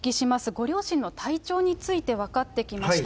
ご両親の体調について分かってきました。